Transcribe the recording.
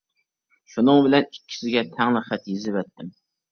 شۇنىڭ بىلەن ئىككىسىگە تەڭلا خەت يېزىۋەتتىم.